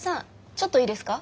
ちょっといいですか？